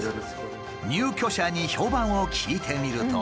入居者に評判を聞いてみると。